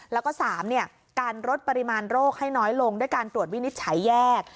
แล้วก็๓การลดปริมาณโรคให้น้อยลงด้วยการตรวจวินิจฉัยแยก